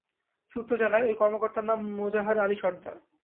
সূত্র জানায়, ওই কর্মকর্তার নাম মোজাহার আলী সরদার।